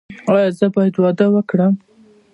ایا زه باید واده وکړم؟